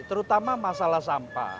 terutama masalah sampah